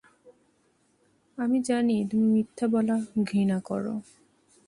আমি জানি তুমি মিথ্যা বলা ঘৃণা কর।